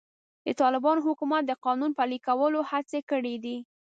د طالبانو حکومت د قانون پلي کولو هڅې کړې دي.